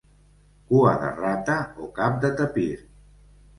Cua de rata o cap de tapir.